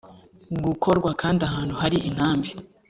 gukorwa kandi ahantu hari intambi